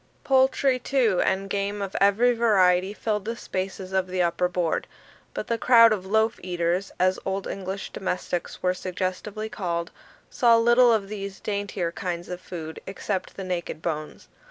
Poultry, too, and game of every variety, filled the spaces of the upper board; but the crowd of loaf eaters, as old English domestics were suggestively called, saw little of these daintier kinds of food, except the naked bones.